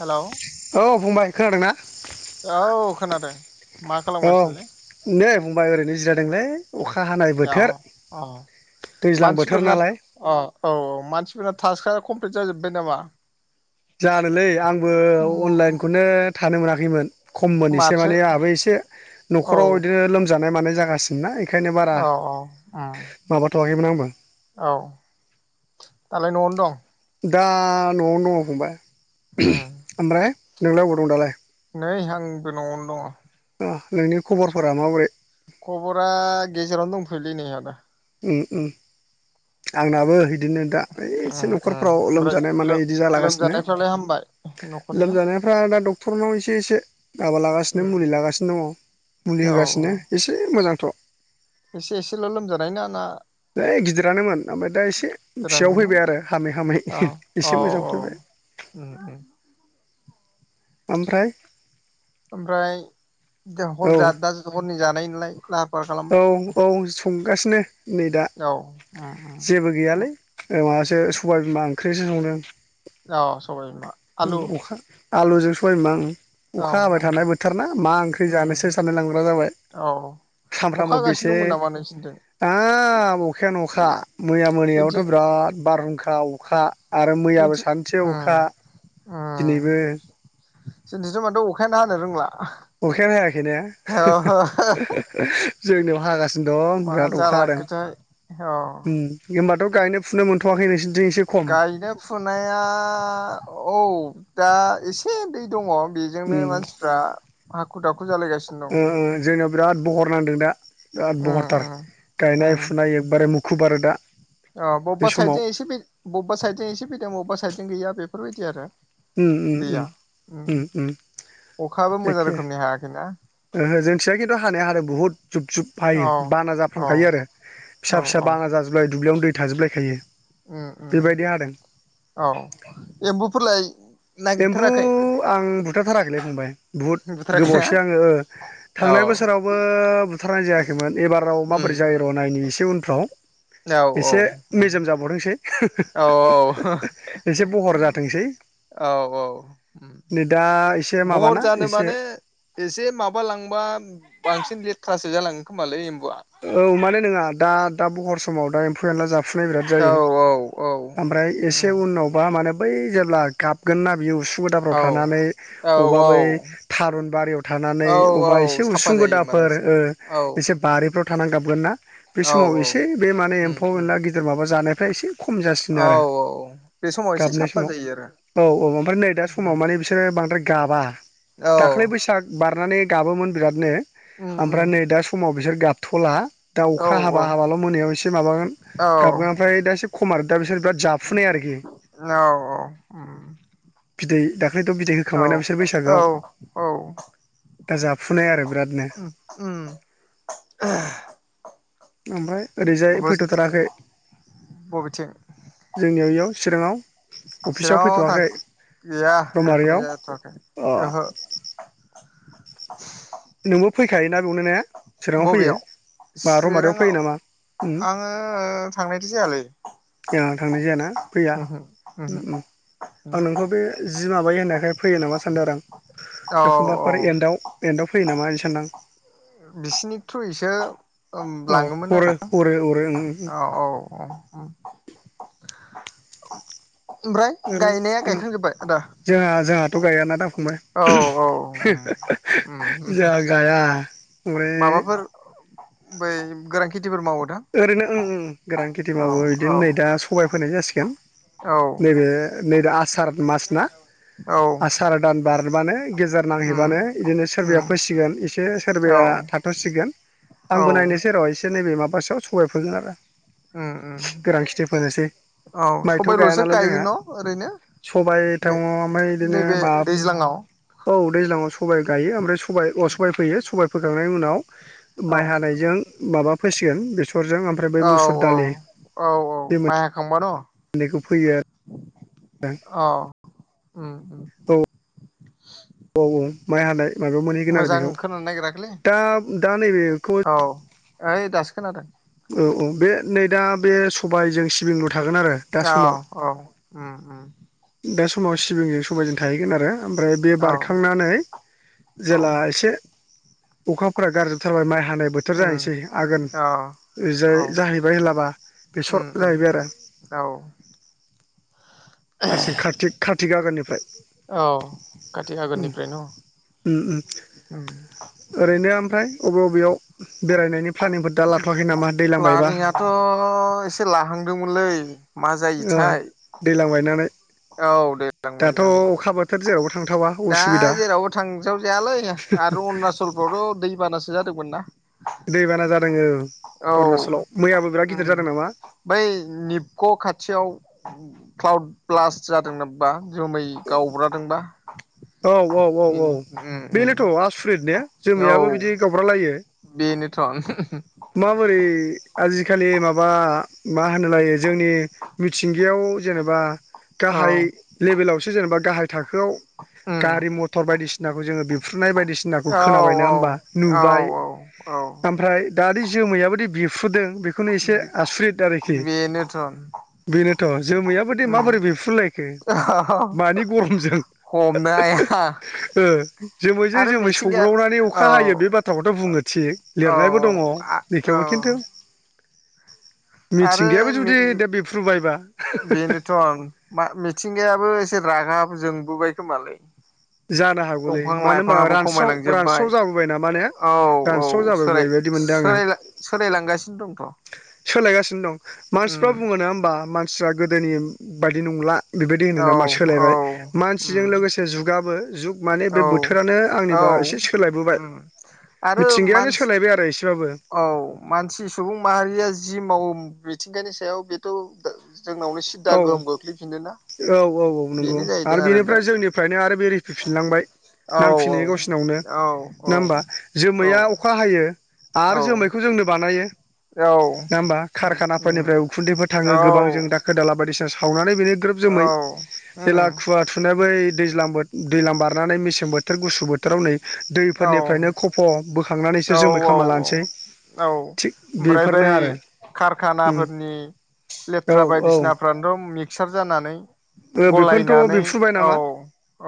Hello औ फंबाय खोनादों ना औ खोनादों मा औ खालामगासिनोलै नै फंबाय ओरैनो जिरादोंलै औ औ दैज्लां बोथोर मानसिफोरना नालाय अ औ औ मानसिफोरना थास्कआ कमप्लिट जाजोब्बाय नामा जानोलै आंबो अनलाइनखौनो थानो मोनाखैमोन खममोन एसे माथो माने आहाबो एसे औ न'खराव बिदिनो लोमजानाय मानाय जागासिनोना बेखायनो बारा औ औ उम माबाथ'वाखैमोन आंबो औ दालाय न'आवनो दं दा न'आवनो दङ फंबाय उम ओमफ्राय नोंलाय अबाव दं दालाय नै आंबो न'आवनो नोंनि दङ स खबरफोरा माबोरै खबरा गेजेरावनो दंथयोलै नै आदा उम उम आंनाबो बिदिनो दा एसे उम उम न'खरफ्राव ओमफ्राय लोमजानाय मानाय बिदि जालागासिनो लोमजानायफ्रालाय हामबाय न'खरनिया लोमजानायफ्रा दा डक्ट तरनाव एसे एसे माबा लागासिनो उम मुलि लागासिनो दङ मुलि औ औ होगासिनो एसे मोजां अथ' एसे एसेल' लोमजानाय ना ना ओइ गिदिरानोमोन ओमफ्राय दा एसे फिसायाव देरानोमोन न फैबाय आरो हामै हामै औ औ एसे मोजां औ फैबाय उम उम ओमफ्राय ओमफ्राय दा हर औ जा दा हरनि जानाय नालाय लाहार फाहार खालामबाय औ औ संगासिनो नै दा औ उम जेबो उम गैयालै ओ माबासो सबायबिमा ओंख्रिसो संदों औ सबाय बिमा आलु अखा आलु जों सबायबिमां ओं औ अखा हाबाय थानाय बोथोर ना मा ओंख्रि उम जानोसो जानो लांग्रा जाबाय औ अखा सामफ्रामबो हागासिनो बेसे दंमोन नामा नोंसिनिथिं हाब अखायानो अखा मैया जोंथिं मैायावथ' बिराद बारहुंखा अखा आरो मैयाबो जोंथिं सानसे अखा उम दिनैबो जोंनिथिंथ' माथो अखायानो हानो रोंला अखायानो हायाखै ने जोंनियाव हागासि दं मा बिराद अखा हादों जालांखोथाय औ होनबाथ' गायनो फुनो मोनथ'वाखै नोंसोर गायनो फुनाया औ दा एसे दै दङ बेजोंनो उम मानसिफ्रा हाखु दाखु जालायगासिनो ओ दं ओ जोंनाव बिराद बहर नांदों दा बिराद उम बहरथार उम गायनाय उम फुनाय एखबारे मुखुब आरो दा अ बे बबेबा साइड समाव जजों एसे बबेबा साइड जों एसे फैदों बबेबा साइद जों गैया बेफोरबायदि आरो उम उम उम उम उम अखायाबो मोजां एखे रोखोमनि हायाखैना ओहो जोंथिया खिन्थु हानाया हानो बुहुत जुब जुब हायो औ बाना औ जाफ्रामखायो आरो औ फिसा फिसा औ बाना जाजोबलायो दुब्लियावनो दै थाजोबलायखायो उम उम बेबायदि हादों औ एम्बुफोरलाय एम्बु नागिरथाराखै आं बुथारथाराखैलै फंबाय बुहुद बुथाराखैना गोबावसो आङो औ थांनाय बोसोरावबो बुथारनाय जायाखैमोन एबाराव उम माबोरै जायो र' नायनायनि एसे उन औ औ उम जाबावथोंसै औ औ एसे बहर जाथोंसै औ औ उम नै दा एसे भहर माबाना जानो एसे माने एसे माबा लांबा बांसिन लेथ्रासो जालाङो खोमालै एम्बुआ औ माने नङा दा दा बहर समाव दा एम्फौ एनला जाफ फुनाय बिराद औ जायो औ औ ओमफ्राय एसे उम उनावबा माने बै जेब्ला गाबगोन ना उसुं गोदाफ्राव औ थानानै अबेबा औ बै औ थारुन बारियाव थानानै औ अबेबा औ एसे साफा उसुं जायो होमबाना गुदाफोर एसे ओ औ एसे बारिफ्राव थाना गाबगोन ना बे औ समाव औ एसे बे माने उम एम्फौ उम एनला गिदर माबा जानो। ओमफ्राय एसे खम जासिनो औ आरो। औ बे समाव एसे गाबनाय साफा समाव जायो आरो औ औ ओमफ्राय नै दा समाव माने बिसोरो बांद्राय ग गाबा औ दाख्लै बैसाग बारनानै गाबोमोन बिरादनो उम उम ओमफ्राय नै दा समाव बिसोर गाबथ'ला। दा औ अखा औ हाबा हाबाल' मोनायाव एसे माबागोन। औ गाबगां ओमफ्राय दा एसे खमार दा बिसोर बिराद जाफुनाय आरोखि। औ औ उम। बिदै दाख्लैथ' बिदै होखाबाय ना बिसोर औ बैसागोआव। औ दा जाफुनाय आरो बिरादनो। उम उम [inaudible] ओमफ्राय ओरैजाय फैथ'थाराखै बबेथिं जोंनियाव इयाव। चिराङाव अफिसाव फैथ'वाखै। गया थां थ'नाय रमारियाव जाया थ'आखै अ ओहो। नोंबो फैखायोना बेवनो नो चिराङाव फैयो। बबेयाव बा रमारियाव चिराङाव फैयो नामा उम आङो थांनायथो जायलै। आंहा थांनाय जायाना फैया उम उम। आं नोंखौ बे जि माबायो होननायखाय फैयो नामा सानदों आरो आं औ एखमबाफोरै औ एन्डआव एन्डआव फैयो नामा ओरै सानदां। ओ बिसिनि थ्रुयैसो ओम औ लाङोमोन हरो आरो हरो हरो ओं ओं औ‌ औ औ। उम गायनाया ओरैनो गायखांजोब्बाय आदा जोंआ जोंआ। थ' गायाना दा फंबाय औ औ उम उम जा गाया। ओमफ्राय माबाफोर बै गोरां ओरैनो ओं उम गोरान खेथि औ मावो औ इदि नै दा सबाय फोनाय जासिगोन। औ नैबे नै दा आसार मास ना। औ आसारा दान बारबानो गेजार उम नांहैबानो इदिनो उम सोरबाया फिसिगोन एसे सोरबाया औ होसिगोन औ आंबो नायनैसोर' एसे नैबे माबा साव सबायफोनो आरो। उम उम गोरां खिथि फोनोसै। औ माइथ' गाया सबायल'सो नालाय गायो जोंहा न' ओरैनो। सबाय बे थउाव ओमफ्राय इदिनो नैबे बाब दैज्लाङाव औ दैज्लाङाव सबाय गायो ओमफ्राय सबाय अ सबाय फैयो सबाय फोखांनायनि उनाव औ माइ हानायजों माबा फैसिगोन बेस ओरजों ओमफ्राय बै औ मुसुर औ दालि औ औ बे मोन माइ हाखांबा नैखौ फैयो आर -‌- अ उम औ [inaudible] औ औ माइ हानाय। माबायाव मोनहैगोन आरो मोजां बेखौ खोनानो नागिराखैलै दा दा नैबेखौ औ ओइ दासो खोनादों। औ-औ बे नै दा बे सबायजों सिबिं आव औ उम उम। दा समाव सिबिंजों सबायजों थाहैगोन आरो। ओमफ्राय बे औ बारखांनानै औ जेला एसे अखाफोरा गारजोबथारबाय माइ हानाय बोथोर उम जाहैसै आगोन औ ओजाय औ जाहैबाय होनलाबा बेसर उम उम जाहैबाय आरो। औ। मासिग खात्कि खातिगागोननिफ्राय औ काति ओम। आगोननिफ्रायनो उम उम उम ओरैनो ओमफ्राय अबे अबेयाव बेरायनायनि प्लानिंफोर दा लाथ'वाखै नामा दैलां बायबा प्लानिंआथ' एसे लाहांदोंमोनलै मा ओ जायोथाय। दैलां बायनानै। औ दैज्लां दाथ' बायनानै अखा बोथोर जेरावबो थांथावा दा उसुबिदा जेरावबो थांजाव जायालै आरो अरुनाचल फोरावथ' दै बानासो जादोंमोनना। दैबाना जादों ओ अरुनाचलाव मैयाबो बिराद उम गिदिर जादों नामा। बै निबक' खाथियाव क्लाउड ब्लास्ट जादों नोबा जोमै गावब्रादोंबा। औ औ औ उम औ। उम उम बेनोथ' आसुरित ने जोमायाबो बिदि औ गावब्रा लायो। बेनोथ' माबोरै आजिखालि माबा मा होनो लायो जोंनि मिथिंगायाव जेनेबा औ गाहाय लेभेलाव सो जेनेबा गाहाय थाखोआव उम गारि मथर बायदिसिनाखौ जोंङो बे फफ्रुनाय बायदिसिनाखौ औ खोनाबाय नङा होमबा औ औ नुबाय औ औ ओमफ्राय दानि जोमैयाबोदि बिरफ्रुदों बेखौनो एसे आसुरिद आरोखि। बेनोथ' उम बेनोथ' जोमैयाबो दे माबोरै बेरफ्रुलायखो मानि गरमजों [unintelligible] ओ जोमैजों आरो जोमै मिथिंगाया सौग्रावनानै औ अखा हायो बे बाथ्राखौथ' बुङो थिग औ लिरनायबो दङ। आ- औ बेखेवो खिनथु [inaudible] आरो मे जुदि दा बेफ्रुबायबा बेनोथ' मिथिंगायाबो एसे रागाबो जोंबोबायखोमालै। जानो हागौलै दंफां मानो होनबा लाइफाङाबो रानस्राव रानस्राव खमायलांजोबबाय जाबोबाय नामा ने औ औ रानस्राव जाबोबाय सोलाय बायदि मोनदों आङो सोलायलां सोलायलांगासिनो दं थ'। सोलायगासिनो दं मानसिफ्रा बुङो नङा होमबा मानसिफ्रा गोदोनि बायदि नंला बेबायदि औ होनो नामा सोलायबाय मानसिजों उम लोगोसे जुगाबो जुगगाबो जुग माने बे औ बोथोरानो आंनिबा औ एसे सोलायबोबाय। उम आरो मिथिंगायानो मानसि सोलायबाय आरो एसेबाबो। औ मानसि सुबुं माहारिया जि मावो मिथिंगानि सायाव बेथ' जोंनावनो औ सिदा गोहोम खोख्लैफिननो ना औ औ औ नंगौ आरो बेनिफ्राय जोंनिफ्रायनो आरो बे रिफिफिनलांबाय। औ नांफिनो गावसिनावनो औ औ नङा होमबा औ जोमैया अखा हायो। औ आरो जोमैखौ जोंनो बानायो। औ नङा होमबा उम उम कारखानाफोरनिफ्राय उखुन्दैफोर थाङो औ गोबां जों दा खला बायदिसिना सावनानै बेनो ग्रोब जोमै औ जेला उम खुवा थुनाय बै दैज्लां बोथ दैलां बारनानै मेसें बोथोर गुसु बोथोराव नै औ दैफोरनिफ्रायनो खफ' औ बोखांनानैसो जोमै खालामना लानोसै औ औ थिग ओमफ्राय बै बेफोरनो आरो उम कारखानाफोरनि औ लेथ्रा बायदिसिनाफ्रानोथ' मिक्सार जानानै औ बेफोरनोथ' गलायनानै बेफ्रुबाय औ नामा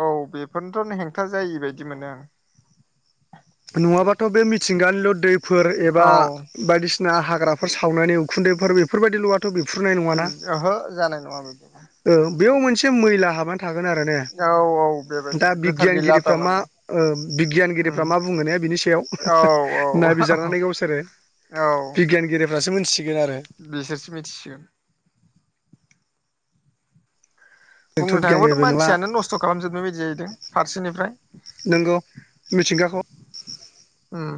औ बेफोरनोथ'नो हेंथा जायिबायदि बिदि मोनो आं। नङाबाथ' बे मिथिंगानिल' दै फोर एबा औ बायदिसिना हाग्राफोर सावनानै उखुन्दैफोर बेफोरबायदिल' दं बिरफ्रुनाय नङाना ओहो जानाय नङा बिदिनो ओ बेयाव मोनसे मैला हाबाना थागोन आरो ने औ औ दा बेबायदिनो गोथार गैला बिगियानगिरिफ्रा मा थारमाने ओ उम बियानगिरिफ्रा मा बुंङोने बिनि सायाव औ नायबिरनानै गावसोरो बिगियानगिरिफ्रासो मोन बेसोरसो मिथिसिगोन। बुंनो जोंथ' थाङोबाथ' बिगियानगिरिबो नङा मानसियानो नस्थ' खालामजोबनाय बायदि जाहैदों फारसेनिफ्राय नोंगौ मिथिंगाखौ ओम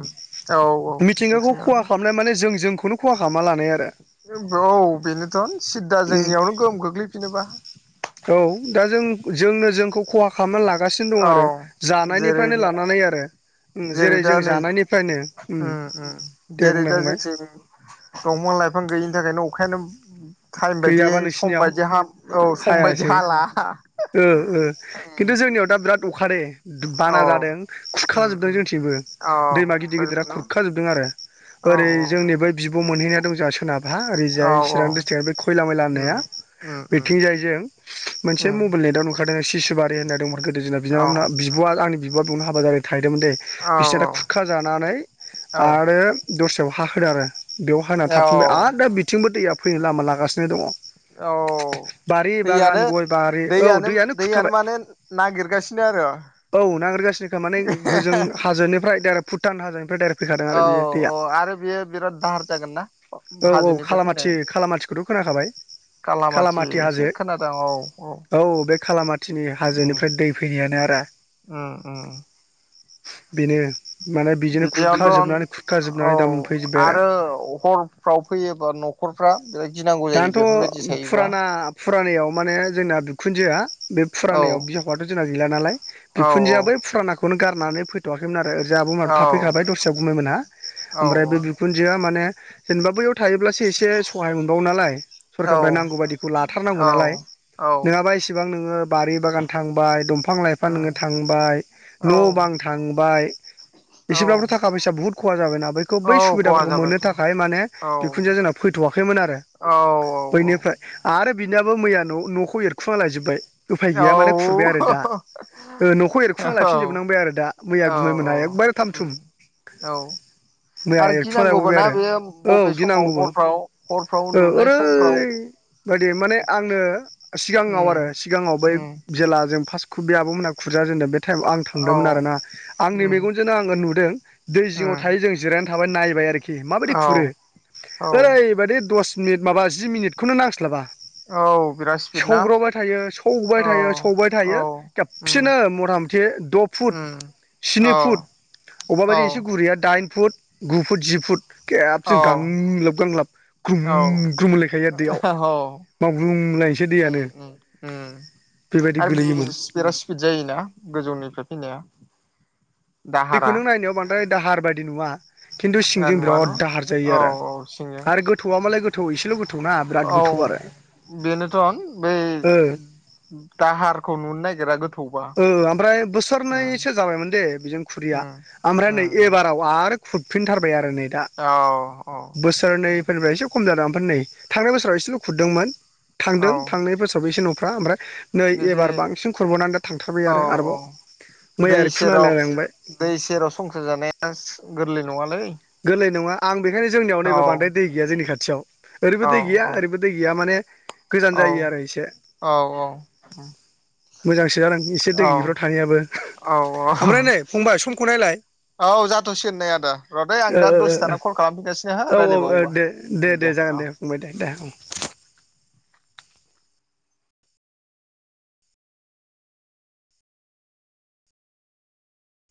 मिथिंगाखौ खहा खालामनाय माने जों जोंखौनो खहा खालामना लानाय आरो औ बेनोथ' सिददा उम जोंनियावनो गोहोम खोख्लैफिनोबा। औ दा जों जोंनो जोंखौ खहा खालामनानै लागोन लागासिनो दं औ आरो जेरै जानायनिफ्रायनो लानानै आरो उम जेरै दा जों नै जानायनिफ्रायनो उम उम दे जेरै बुंलाय दा फंबाय जोंथि दंम फां लाइफां गैयिनि थाखायनो अखायानो टाइम बायदियै गैयाबा सम नोंसिनियाव बायदि हा औ सम बायदि हाला ओओ खिन्थु जोंनियाव दा बिराद अखारे बाना औ जादों उम खुरखालाजोबदों उम जोंथिंबो औ दैमा गिदिर गिदिरा फोजोबन' औ खुरखाजोबदों आरो ओरै औ जोंनिबेै बिब' मोनहैनाय दं जोहा सोनाबहा औ ओरैजाय औ चिरां डस्ट्रिक्टआ बे खैला मैला उम होननाया उम उम बेथिंजाय जों मोनसे उम मबाइल नेटाव नुखारदों खबसुबारि होननाय दंमोन गोदो जोंना औ बिनानावमोना बिब'आ आंनि बिब'आ बिआवनो हाबा जादों थाहदोंमोन दे बिस्ना दा खुरखा जानानै औ आरो दस्रायाव हा होदो आरो बेयाव हाना औ थाफिनबाय औ आर दा बिथिंबो दैया फैनो लामा लागासिनो दङ' औ बारि बागान दैयानो गय बारि औ दैयानो दैयानो खुरखाबाय माने नागिरगासिनो आरो औ नागिरगासिनोखा माने होजों हाजोनिफ्राय डाइरेक्ट भुटान हाजोनिफ्राय डाइरेक्ट फैखादों औ आरो बियो दैया औ आरो बियो बिराद दाहार जागोन ना औ औ हाजोनिफ्राय खालामाथि खालामाथिखौथ' खोनाखाबाय खालामाथि एसे खोनादों औ औ दिनि उम हाजोनिफ्राय दै फैनायानो आरो उम उम बेनो माने बिजोंनो खुरख बिदियावनोथ' जोबनानै खुरख औ जोबनानै दा मोनफैजोब्बाय आरो हरफ्राव फैयोबा न'खरफ्रा बिराद गिनांगौ जायो दान्थ' बेफोरबायदि थायोबा फुराना फुरानायाव माने जोंना बिखुनजोआ बे औ फुरानाव बिहाबुआथ' जोंना गैला नालाय औ बिखुनजोआ बै फुरानाखौ बेखौनो गारनानै फैथ'वाखैमोन आरो ओरैजाय आब' औ मोनहाथ' थफैखाबाय औ दस्रायाव गुमैमोनहा औ ओमफ्राय बे बिखुनजोआ माने जेनेबा बैयाव थायोब्लासो एसे सहाय मोनबावो नालाय औ सरखारारनिफ्राय नांगौ बादिखौ औ लाथारनांगौ नालाय औ नोङाबा इसिबां नोङो बारि बागान थांबाय द फां लाइफां उम नोङो थांबाय औ न' बां थांबाय औ एसेब्लाबोथ' थाखा फैसा बुहुद खहा जाबायना बेखौ बै औ खहा सुबिदाफोरखौ मोननो जाबायथ' थाखाय माने औ बिखुन्जोआ जोंना फैथ'वाखैमोन आ आरो बिनियाबो मैया न' न'खौ एरखुना लायजोबबाय उफाय औ गैया माने खुरबाय आरो दा ओ न'खौ औ एरखुना लफिनजोबनांबाय आरो दा मैया औ गुमैमोनहा औ एकबारे थाम थुम मैया आरो एक्स' जाबावबाय गिनांगौबोना बेयो आरो औ बबे समाव गिनांगौबो हरफ्राव हरफ्राव औ उन्दुनाय ओरै समफ्राव बायदि माने आंनो सिगाङाव उम आरो सिगाङाव बै उम जेला जों फास्क खु बे आाब' मोना खुरजा जेन्दों बे थाइम आं औ थांदोंमोन आरोना आंनि उम मेगनजोंनो आङो नुदों दै जिङाव उम थायो जों जिरायनो थाबाय नायबाय आरोखि माबायदि औ खुरो औ ओैबायदि दसे मिनिट माबा जि मिनिटखौनो नांस्लाबा औ बिराद स्पिड ना सौग्रावबाय थायो सौबाय औ थायो सौबाय औ थायो उम खेबसिनो मटा मथि द'पुद उम औ सिनिपुद औ अबाबायदि इसे गुरैया दाइन फुट गुफुट जि फुट औ खेबसेन गांलाब गांलाब ग्रुम औ ग्रुम ओनलायखायो आरो दैयाव औ मावग्रुमलायसै दैयानो उम उम उम बेबायदि आरो बि गोलैयोमोन -बिराद स्पिड जायोना गोजौनिफ्राय फैनाया। दैखौ दाहारा नों नायनायाव बांद्राय दाहार बायदि नुआ। खिन्थु ए सिंजों नुवा न बिराद दाहार जायो औ आरो औ सिंजों आरो गोथौआ मालाय गोथौ इसेल' गोथौ ना बिराद औ गोथौ आरो बेनोथ'न बै ओ दाहारखौ नुनोनायगिरा गोथौ ओ ओमफ्राय बोसोरनैसो जाबायमोन दे बेजों खुरैया उम ओमफ्राय उम नै उम एबाराव आरो खुदफिनथारबाय आरो नै दा। औ औ बोसोरनैफोरनिफ्राय एसे खम जादों। नै थांनाय बोसोराव एसेल' खुरदोंमोन औ थांदों थांनाय बोसोरावबो एसे न'फ्रा ओमफ्राय नै बिदि एबार बांसिन खुरब'नानै [unintelligible] औ औ दै ओरै सेराव खुनालायलांबाय दै सेराव संसार जानाया गोरलै नङालै। गोरलै नङा आं बेखायनो जोंनियाव औ नैबेयाव बांद्राय दै गैया जोंनि खाथियाव। ओरैबो औ दै गैया औ ओरैबो दै गैया माने गोजान औ जायो आरो इसे। औ मोजांसो जादों एसे दै औ गेयिफ्राव थानायाबो औ ओमफ्राय नै फंबाय समखौ नायलाय। औ जाथ'सिगोन दे आदा। दै आं ओ दा ओ ओ दसे थाना कल खालामफिनगासिनो हो औ औ औ रायलायबावोबा दे दे दे जागोन दे फंबाय दे उम दे औ। [unintelligible]